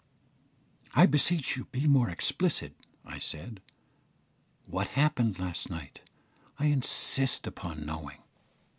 "I beseech you be more explicit," I said; "what happened last night? I insist upon knowing."